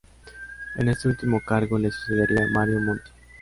En este último cargo le sucedería Mario Monti.